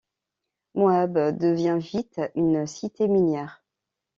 Moab devient vite une cité minière.